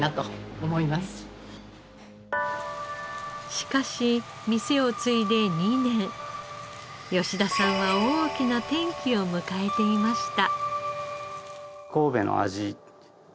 しかし店を継いで２年吉田さんは大きな転機を迎えていました。